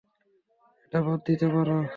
এটা বাদ দিতে পারো।